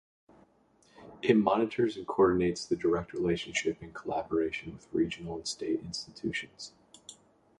It monitors and coordinates the direct relationship and collaboration with regional and state institutions.